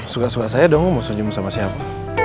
suka suka saya dong mau senyum sama siapa